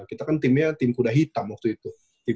kita kan timnya tim kuda hitam waktu itu